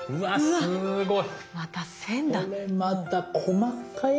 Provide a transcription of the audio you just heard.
すごい！